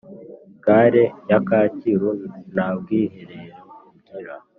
Gare ya kacyiru ntabwihereo igira